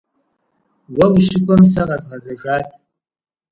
Уэ ущыкӏуэм сэ къэзгъэзэжат.